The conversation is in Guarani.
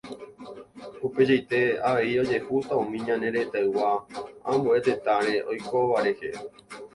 Upeichaite avei ojehúta umi ñane retãygua ambue tetãre oikóva rehe.